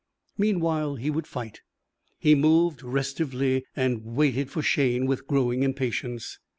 Meanwhile he would fight! He moved restively and waited for Shayne with growing impatience.